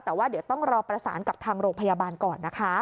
แต่ว่าเดี๋ยวต้องรอประสานกับทางโรงพยาบาลก่อนนะคะ